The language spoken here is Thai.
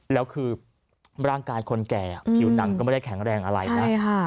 แล้วคือร่างกายคนแก่ผิวหนังก็ไม่ได้แข็งแรงอะไรนะ